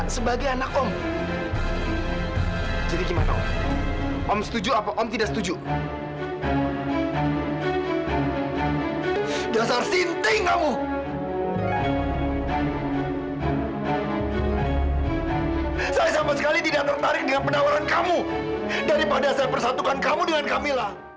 sebentar lagi kamu akan keluar dari rumah ini